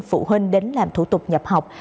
phụ huynh đến làm thủ tục nhập học